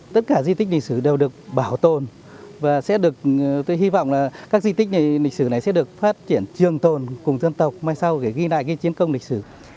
tất cả di tích lịch sử đều được bảo tồn và sẽ hy vọng là các di tích lịch sử này sẽ được phát triển trường tồn cùng dân tộc mai sau để ghi lại chiến công lịch sử